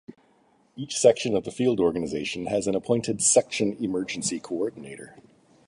Each Section of the Field Organization has an appointed Section Emergency Coordinator.